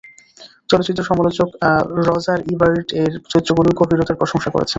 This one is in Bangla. চলচ্চিত্র সমালোচক রজার ইবার্ট এর চরিত্রগুলোর গভীরতার প্রশংসা করেছেন।